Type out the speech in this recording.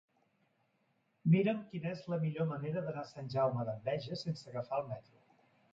Mira'm quina és la millor manera d'anar a Sant Jaume d'Enveja sense agafar el metro.